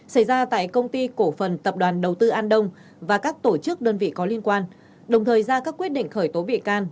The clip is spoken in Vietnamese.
xảy ra tại công ty cổ phần tập đoàn đầu tư an đông và các tổ chức đơn vị có liên quan đồng thời ra các quyết định khởi tố bị can